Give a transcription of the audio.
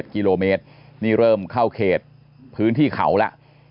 กิโลเมตรนี่เริ่มเข้าเขตพื้นที่เขาแล้ว